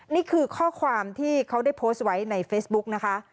นี่คือข้อความที่เขาได้โพสต์ไว้ในเฟซบุ๊กนะคะ